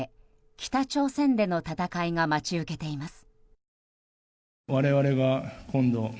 北朝鮮での戦いが待ち受けています。